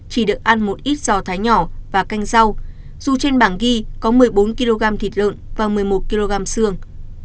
chỉ được ăn một ít giò thái nhỏ và canh rau dù trên bảng ghi có một mươi bốn kg thịt lợn và một mươi một kg xương